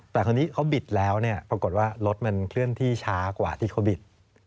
แต่คราวนี้เขาบิดแล้วเนี่ยปรากฏว่ารถมันเคลื่อนที่ช้ากว่าที่เขาบิด